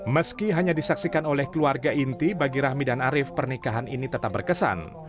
meski hanya disaksikan oleh keluarga inti bagi rahmi dan arief pernikahan ini tetap berkesan